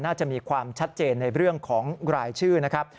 น่าจะมีความชัดเจนในเรื่องของรายชื่อนะครับ